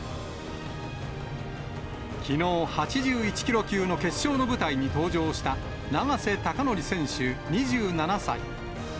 きのう、８１キロ級の決勝の舞台に登場した永瀬貴規選手２７歳。